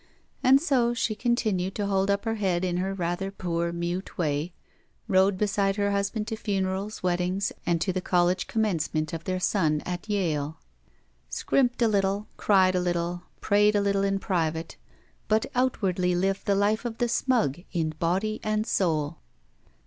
And so she continued to hold up her head in her rather poor, mute way, rode beside her husband to funerals, weddings, and to the college Commencement of their son at Yale. Scrimped a little, cried a little, prayed a little in private, but out wardly lived the life of the smug in body and soul.